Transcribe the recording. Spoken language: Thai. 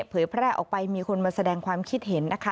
เผยแพร่ออกไปมีคนมาแสดงความคิดเห็นนะคะ